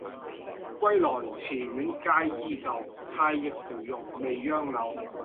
歸來池苑皆依舊，太液芙蓉未央柳。